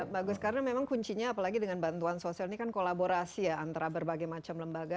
bagus karena memang kuncinya apalagi dengan bantuan sosial ini kan kolaborasi ya antara berbagai macam lembaga